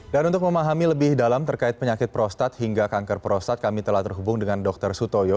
dan untuk memahami lebih dalam terkait penyakit prostat hingga kanker prostat kami telah terhubung dengan dokter sutoyo